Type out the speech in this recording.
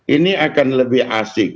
ini akan lebih asik